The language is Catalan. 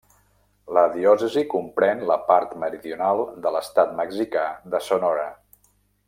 La diòcesi comprèn la part meridional de l'estat mexicà de Sonora.